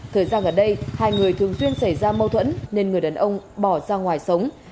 thời gian gần đây hai người thường xuyên xảy ra mâu thuẫn nên người đàn ông bỏ ra ngoài sống